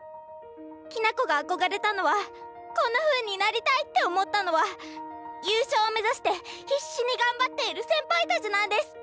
きな子が憧れたのはこんなふうになりたいって思ったのは優勝を目指して必死に頑張っている先輩たちなんです！